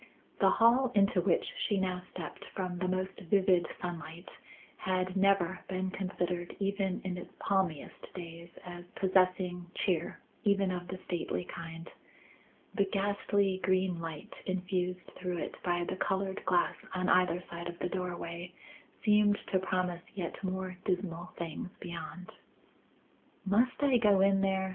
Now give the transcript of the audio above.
The hall into which she now stepped from the most vivid sunlight had never been considered even in its palmiest days as possessing cheer even of the stately kind. The ghastly green light infused through it by the coloured glass on either side of the doorway seemed to promise yet more dismal things beyond. "Must I go in there?"